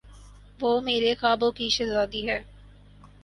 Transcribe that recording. وہ میرے خوابوں کی شہزادی ہے۔